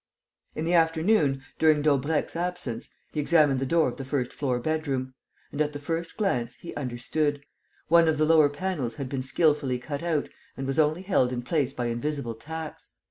In the afternoon, during Daubrecq's absence, he examined the door of the first floor bedroom. And, at the first glance, he understood: one of the lower panels had been skilfully cut out and was only held in place by invisible tacks.